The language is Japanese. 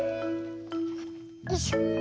よいしょ。